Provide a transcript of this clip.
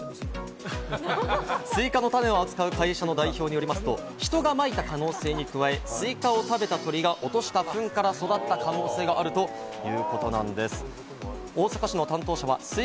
スイカの種を扱う会社の代表によると、人がまいた可能性に加え、スイカを食べた鳥が落としたフンから育った可能性があるということなんです。